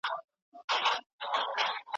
د وزن کمولو پروګرام کې د سهارنۍ تاثیر معلوم شو.